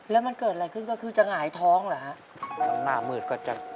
และเกิดอะไรขึ้นคือจะหงายท้องเหรอฮะ